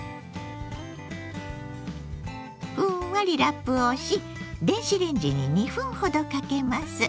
ふんわりラップをし電子レンジに２分ほどかけます。